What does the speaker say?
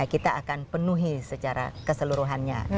kita akan penuhi secara keseluruhannya